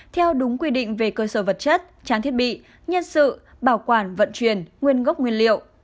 theo đúng quy định về cơ sở vật chất trang thiết bị nhân sự bảo quản vận chuyển nguyên gốc nguyên liệu